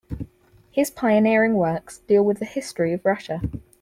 His pioneering works deal with the history of Russia.